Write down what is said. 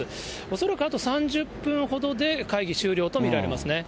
恐らくあと３０分ほどで会議終了と見られますね。